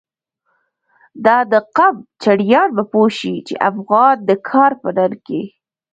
دا د قم چړیان به پوه شی، چی افغان د کار په ننگ کی